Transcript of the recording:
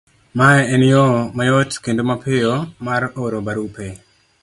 Mae en yo mayot kendo mapiyo mar oro barupe,